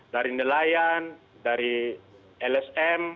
dari nelayan dari lsm